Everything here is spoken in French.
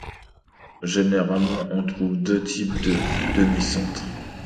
Généralement, on trouve deux types de demi-centre.